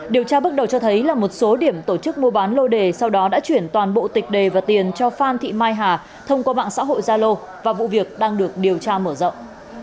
điều tra bước đầu cho thấy là một số điểm tổ chức mua bán lô đề sau đó đã chuyển toàn bộ tịch đề và tiền cho phan thị mai hà thông qua mạng xã hội gia lô và vụ việc đang được điều tra mở rộng